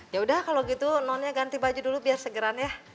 ya udah kalau gitu nonnya ganti baju dulu biar segeran ya